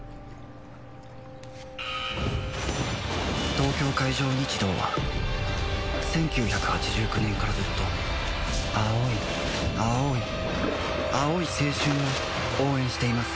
東京海上日動は１９８９年からずっと青い青い青い青春を応援しています